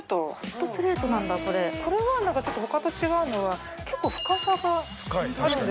これは何かちょっと他と違うのは結構深さがあるんですよね。